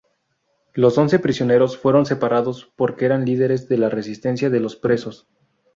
Los once prisioneros fueron separados porque eran líderes de la resistencia de los presos.